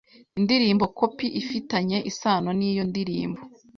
Indirimbo Copy ifitanye isano n’iyo ndirimbo